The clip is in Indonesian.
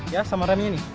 ya sama remnya ini